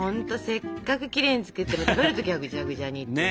せっかくきれいに作っても食べる時はぐちゃぐちゃにってね。